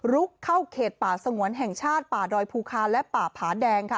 เข้าเขตป่าสงวนแห่งชาติป่าดอยภูคาและป่าผาแดงค่ะ